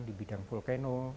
di bidang vulkeno